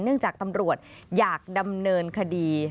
เนื่องจากตำรวจอยากดำเนินคดี